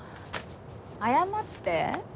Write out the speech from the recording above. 謝って。